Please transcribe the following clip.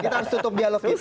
kita harus tutup dialog kita